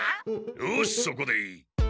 よしそこでいい。